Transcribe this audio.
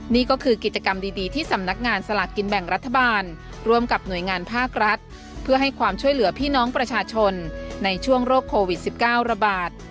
นี่ก็คือกิจกรรมดีที่สำนักงานสลากกินแบ่งรัฐบาลร่วมกับหน่วยงานภาครัฐเพื่อให้ความช่วยเหลือพี่น้องประชาชนในช่วงโรคโควิด๑๙ระบาด